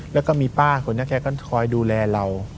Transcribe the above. แล้วก็มีป้าคนนี้แกก็คอยดูแลเรา